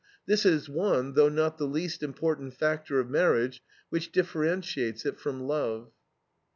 This is one, though not the least important, factor of marriage, which differentiates it from love.